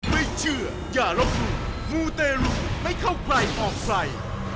ไม่เชื่ออย่าลบหลู่มูเตรุไม่เข้าใครออกใคร